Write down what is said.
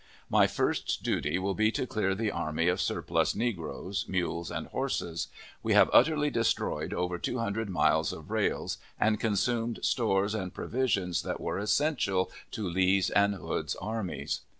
My first duty will be to clear the army of surplus negroes, mules, and horses. We have utterly destroyed over two hundred miles of rails, and consumed stores and provisions that were essential to Lee's and Hood's armies.